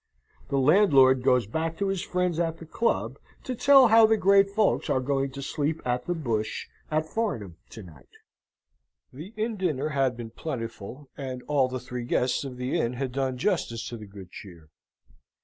The landlord goes back to his friends at the club, to tell how the great folks are going to sleep at The Bush, at Farnham, to night. The inn dinner had been plentiful, and all the three guests of the inn had done justice to the good cheer.